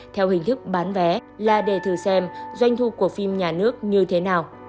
theo hình thức bán vé là đề thử xem doanh thu của phim nhà nước như thế nào